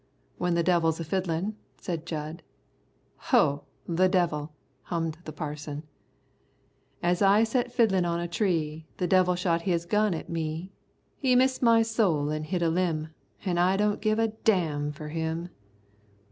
"When the devil's a fiddlin'," said Jud. "Ho, the devil," hummed the Parson. "As I set fiddlin' on a tree The devil shot his gun at me. He missed my soul an' hit a limb, An' I don't give a damn for him."